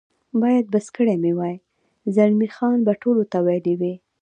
باید بس کړي مې وای، زلمی خان به ټولو ته ویلي وي.